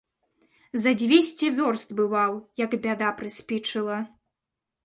За дзвесце вёрст бываў, як бяда прыспічыла.